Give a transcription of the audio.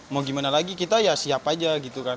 mau gimana lagi kita ya siap aja gitu kan